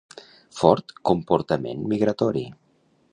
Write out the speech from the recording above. Fort comportament migratori.